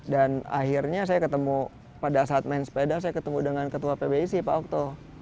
dan akhirnya saya ketemu pada saat main sepeda saya ketemu dengan ketua pbic pak okto